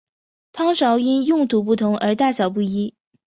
汤勺因用途不同而大小不一。